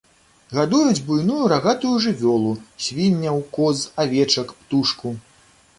Гадуюць буйную рагатую жывёлу, свінняў, коз, авечак, птушку.